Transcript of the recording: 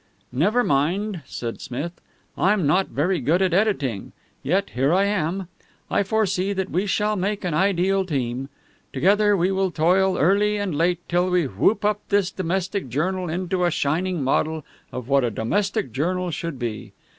"Never mind," said Smith. "I'm not very good at editing. Yet here I am. I foresee that we shall make an ideal team. Together, we will toil early and late till we whoop up this domestic journal into a shining model of what a domestic journal should be.